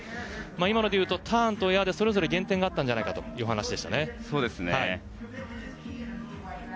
今のでいうとターンとエアでそれぞれ減点があったんじゃないかというお話でした。